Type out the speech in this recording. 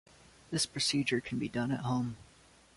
This procedure can be done at home.